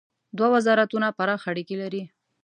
دوه وزارتونه پراخ اړیکي لري.